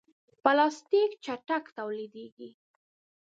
پلاستيک چټک تولیدېږي.